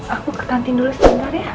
aku ke kantin dulu sebentar ya